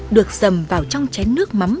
được dầm vào trong chén nước mắm